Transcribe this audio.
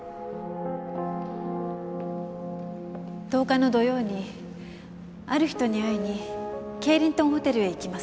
１０日の土曜にある人に会いにケイリントンホテルへ行きます。